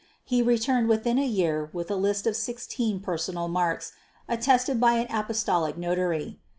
He returned within a year with a list of sixteen personal marks attested by an Apostolic notary.